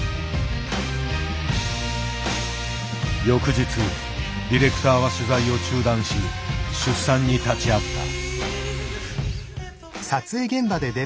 翌日ディレクターは取材を中断し出産に立ち会った。